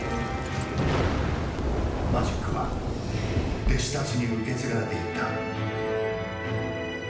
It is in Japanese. マジックは弟子たちに受け継がれていった。